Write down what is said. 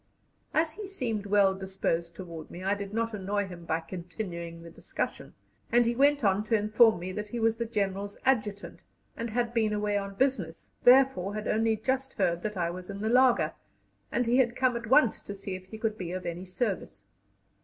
As he seemed well disposed toward me, I did not annoy him by continuing the discussion, and he went on to inform me that he was the General's Adjutant, and had been away on business, therefore had only just heard that I was in the laager, and he had come at once to see if he could be of any service.